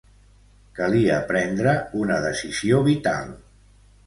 Calia prendre una decisió vital.